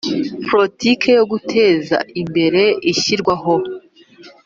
politiki zo guteza imbere ishyirwaho